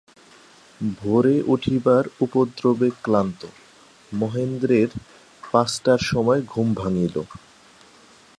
ভোরে উঠিবার উপদ্রবে ক্লান্ত, মহেন্দ্রের পাঁচটার সময় ঘুম ভাঙিল।